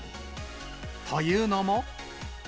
というのも。